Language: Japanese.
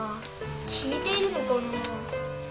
聞いてるのかな？